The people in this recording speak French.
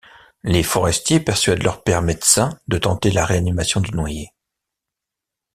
Les Forestier persuadent leur père médecin de tenter la réanimation du noyé.